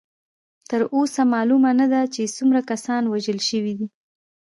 تر اوسه معلومه نه ده چې څومره کسان وژل شوي دي.